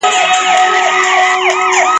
ځکه دا ستا مېرمن نه ده نه دي مور او پلار درګوري ..